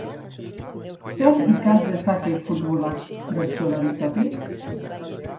Zer ikas dezake futbolak bertsolaritzatik?